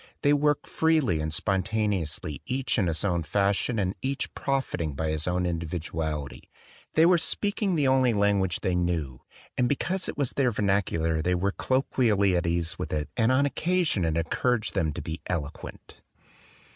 They worked freely and spon taneously each in his own fashion and each profiting by his own individuality. They were speaking the only language they knew; and be cause it was their vernacular they were collo quially at ease in it and on occasion it encour aged them to be eloquent.